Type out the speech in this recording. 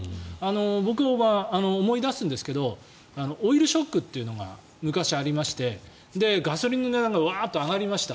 僕、思い出すんですけどオイルショックというのが昔ありましてガソリンの値段がワーッと上がりました。